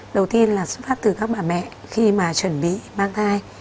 đầu tiên là xuất phát từ các bà mẹ khi mà chuẩn bị mang thai